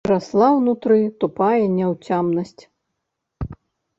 І расла ўнутры тупая няўцямнасць.